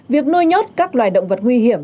việc nuôi nhốt các loài động vật nguy hiểm